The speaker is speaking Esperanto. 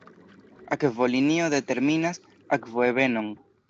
Akvolinio determinas akvoebenon.